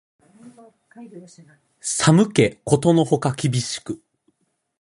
寒気ことのほか厳しく